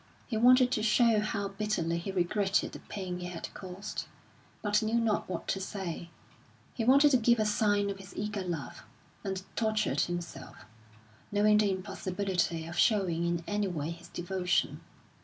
He wanted to show how bitterly he regretted the pain he had caused, but knew not what to say; he wanted to give a sign of his eager love, and tortured himself, knowing the impossibility of showing in any way his devotion.